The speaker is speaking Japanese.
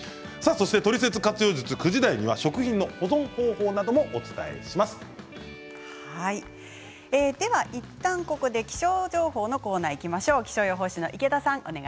トリセツ活用術９時台は食品の保存方法などもでは、いったんここで気象情報のコーナーにいきましょう。